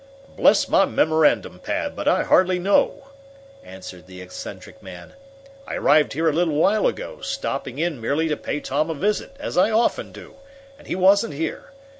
"Bless my memorandum pad, but I hardly know!" answered the eccentric man. "I arrived here a little while ago, stopping in merely to pay Tom a visit, as I often do, and he wasn't here.